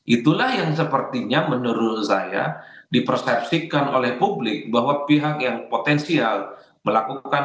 itulah yang sepertinya menurut saya dipersepsikan oleh publik bahwa pihak yang potensial melakukan